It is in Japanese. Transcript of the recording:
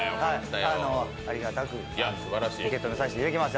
ありがたく受け止めさせていただきます。